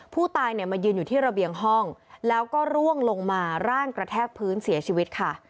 ผู้ตายเนี่ยมายืนอยู่ที่ระเบียงห้องแล้วก็ร่วงลงมาร่างกระแทกพื้นเสียชีวิตค่ะ